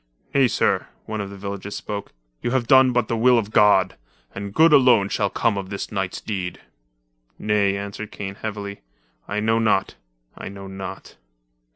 "Nay, sir," one of the villagers spoke, "you have done but the will of God, and good alone shall come of this night's deed." "Nay," answered Kane heavily. "I know not — I know not."